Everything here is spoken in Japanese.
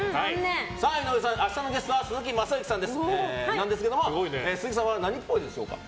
井上さん、明日のゲストは鈴木雅之さんなんですけども鈴木さんは何っぽいですか？